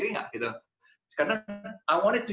dan saya sangat menyukainya karena